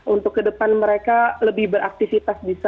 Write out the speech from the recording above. untuk kedepan mereka lebih beraktifitas bisa